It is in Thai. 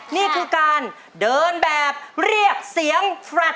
นี่คือการเดินแบบเรียกเสียงแฟลต